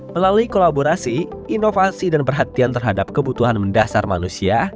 melalui kolaborasi inovasi dan perhatian terhadap kebutuhan mendasar manusia